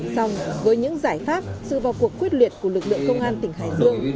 xong với những giải pháp sự vào cuộc quyết liệt của lực lượng công an tỉnh hải dương